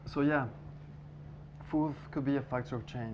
jadi ya makanan bisa menjadi faktor perubahan